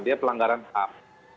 dia pelanggaran hak